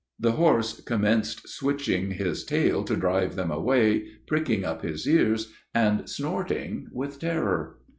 The horse commenced switching his tail to drive them away, pricking up his ears, and snorting with terror.